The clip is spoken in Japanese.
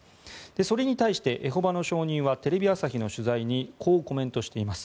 それに対してエホバの証人はテレビ朝日の取材にこうコメントしています。